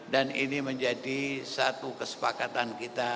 dan ini menjadi satu kesepakatan kita